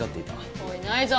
おいないぞ。